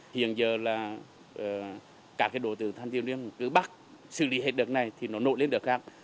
hiện giờ là các đồ tử thanh tiêu niên cứ bắt xử lý hết đợt này thì nó nội lên đợt khác